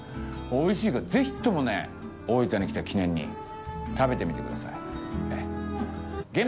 おいしいからぜひとも大分に来た記念に食べてみてください。